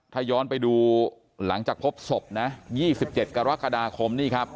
ถ้าย้อนไปดูหลังจากพบศพนะ๒๗กรกฎาคมนี่ครับ